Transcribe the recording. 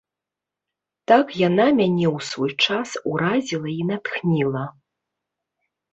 Так яна мяне ў свой час уразіла і натхніла.